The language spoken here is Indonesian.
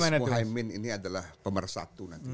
muhaymin ini adalah pemersatu